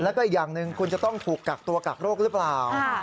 แล้วก็อีกอย่างหนึ่งคุณจะต้องถูกกักตัวกักโรคหรือเปล่า